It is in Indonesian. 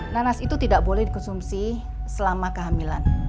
nanas itu tidak boleh dikonsumsi selama kehamilan